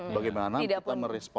bagaimana kita merespon